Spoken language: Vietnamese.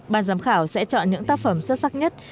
ban giám khảo sẽ chọn những tác phẩm xuất sắc nhất